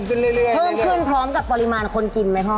เพิ่มขึ้นพร้อมกับปริมาณคนกินไหมพ่อ